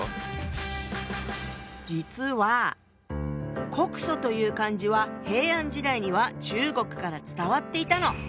実は「告訴」という漢字は平安時代には中国から伝わっていたの。